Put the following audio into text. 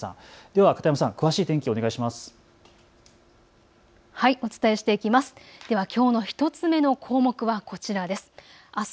では片山さん、詳しい天気お願いします。